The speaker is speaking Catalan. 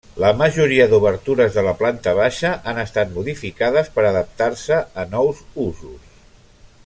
La majoria d’obertures de la planta baixa han estat modificades per adaptar-se a nous usos.